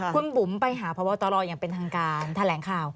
คุณบุ๋มไปหาพบตรอย่างเป็นทางการแถลงข่าว